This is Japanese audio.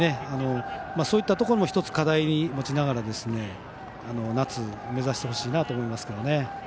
そういったところも１つ課題に持ちながら夏、目指してほしいと思いますね。